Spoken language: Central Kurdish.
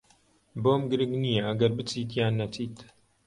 بۆم گرنگ نییە ئەگەر بچیت یان نەچیت.